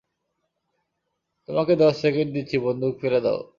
তোমাকে দশ সেকেন্ড দিচ্ছি বন্দুক ফেলে দাও!